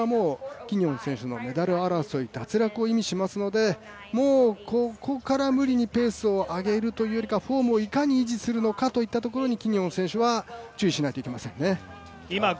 それはもうキニオン選手のメダル争い脱落を意味しますのでもうここから無理にペースを上げるというよりかはフォームをいかに維持するのかというところにキニオン選手は注意しないといけませんね。